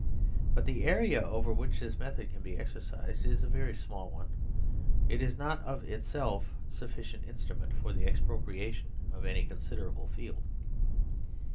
But the area over which this method can be exercised is a very small one. It is not THE SERVILE STATE of itself a sufficient instrument for the expropriation of any considerable field.